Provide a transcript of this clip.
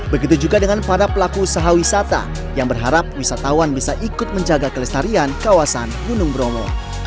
begitu juga dengan para pelaku usaha wisata yang berharap wisatawan bisa ikut menjaga kelestarian kawasan gunung bromo